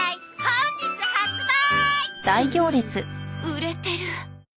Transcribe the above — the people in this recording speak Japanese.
売れてる。